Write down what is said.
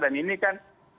dan ini kan